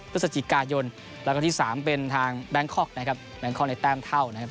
พฤศจิกายนแล้วก็ที่สามเป็นทางแบงคอกนะครับแบงคอกในแต้มเท่านะครับ